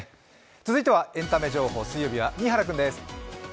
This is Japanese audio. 続いてはエンタメ情報火曜日は新原君です。